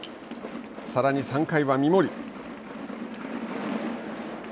さらに、３回は三森。